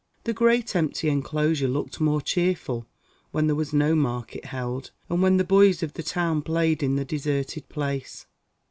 The great empty enclosure looked more cheerful, when there was no market held, and when the boys of the town played in the deserted place.